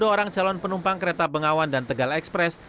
dua puluh orang calon penumpang kereta bengawan dan tegal express